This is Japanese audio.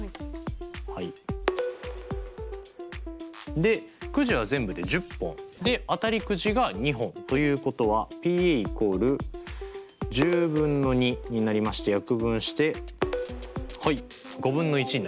でくじは全部で１０本で当たりくじが２本ということはＰ＝１０分の２になりまして約分してはい５分の１になります。